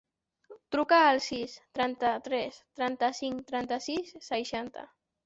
Truca al sis, trenta-tres, trenta-cinc, trenta-sis, seixanta.